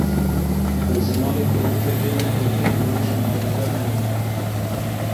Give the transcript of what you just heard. Di zimanê kurdî de gelek gotin û biwêjên manedar hene.